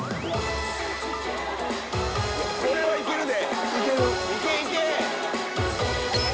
これは行けるで！